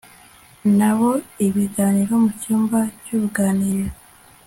na bo ibiganiro mu cyumba cyuruganiriro